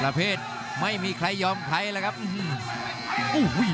รับทราบบรรดาศักดิ์